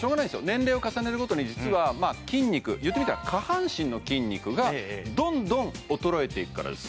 年齢を重ねるごとに実はまあ筋肉言ってみたら下半身の筋肉がどんどん衰えていくからです